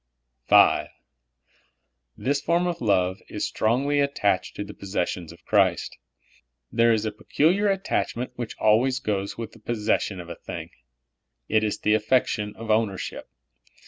V. This form of love is stroiigly attached to the possessions of Christ. There is a peculiar attachment w^hich always goes with the possession of a thing. It is the affection of ownership.